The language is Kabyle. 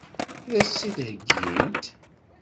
Ad as-tt-id-heggint?